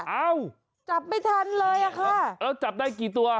เอ้าจับไม่ทันเลยอ่ะค่ะแล้วจับได้กี่ตัว